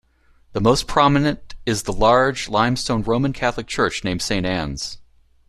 The most prominent is the large limestone Roman Catholic church named Saint Anne's.